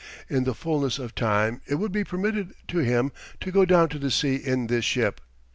In the fullness of time it would be permitted to him to go down to the sea in this ship.